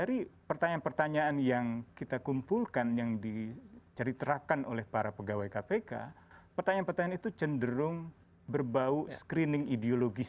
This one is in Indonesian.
jadi pertanyaan pertanyaan yang kita kumpulkan yang diceritakan oleh para pegawai kpk pertanyaan pertanyaan itu cenderung berbau screening ideologis